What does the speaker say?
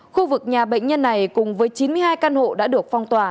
khu vực nhà bệnh nhân này cùng với chín mươi hai căn hộ đã được phong tỏa